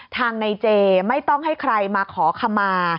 ทางในเจไม่ต้องให้ใครมาขอขมา